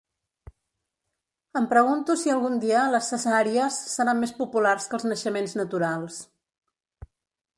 Em pregunto si algun dia les cesàries seran més populars que els naixements naturals.